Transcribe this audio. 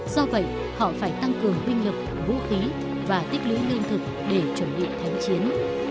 do vậy họ phải tăng cường binh lực vũ khí và tích lưỡi nguyên thực để chuẩn bị thánh chiến